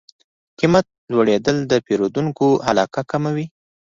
قیمت لوړېدل د پیرودونکو علاقه کموي.